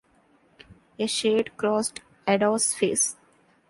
A shade crossed Ada's face.